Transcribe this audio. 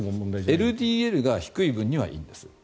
ＬＤＬが低い分にはいいんです。